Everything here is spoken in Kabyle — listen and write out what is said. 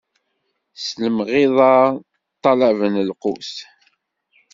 S lemɣiḍa ṭṭalaben lqut.